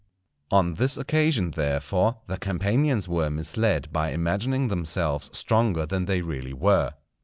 On this occasion, therefore, the Campanians were misled by imagining themselves stronger than they really were.